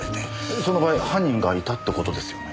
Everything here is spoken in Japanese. その場合犯人がいたって事ですよね。